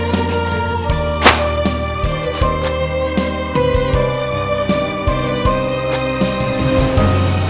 tapi kayaknya sih mereka agak agak